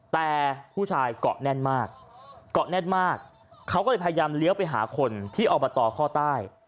แต่ผู้ชายเกาะแน่นมากเกาะแน่นมากเขาก็เลยพยายามเลี้ยวไปหาคนที่อบตข้อใต้